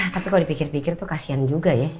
tapi kalo dipikir pikir tuh kasihan juga ya